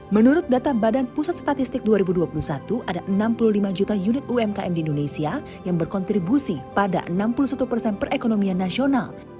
menurut data badan pusat statistik dua ribu dua puluh satu ada enam puluh lima juta unit umkm di indonesia yang berkontribusi pada enam puluh satu persen perekonomian nasional